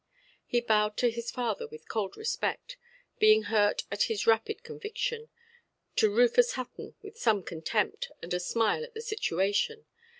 He bowed to his father with cold respect, being hurt at his rapid conviction, to Rufus Hutton with some contempt and a smile at the situation.